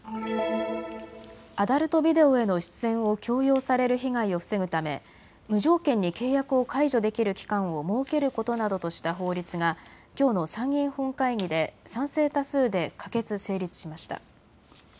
アダルトビデオへの出演を強要される被害を防ぐため無条件に契約を解除できる期間を設けることなどとした法律がきょうの参議院本会議で賛成多数で可決・成立しました。